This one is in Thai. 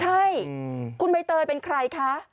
ใช่คุณใบเตยเป็นใครคะ